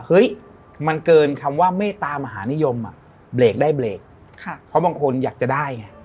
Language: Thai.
เฮ้ยมันเกินคำว่าเมตามหานิยมอ่ะเบรกได้เบรกเพราะบางคนอยากจะได้ไง